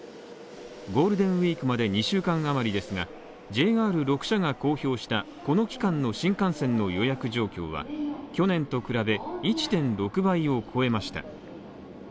ゴールデンウイークまで２週間あまりですがＪＲ６社が公表したこの期間の新幹線の予約状況は去年と比べ１．６倍を超えました。